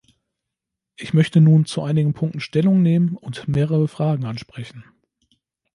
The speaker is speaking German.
Ich möchte nun zu einigen Punkten Stellung nehmen und mehrere Fragen ansprechen.